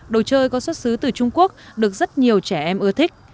đồ chơi có xuất xứ từ trung quốc được rất nhiều trẻ em ưa thích